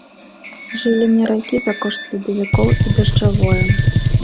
Жыўленне ракі за кошт ледавікоў і дажджавое.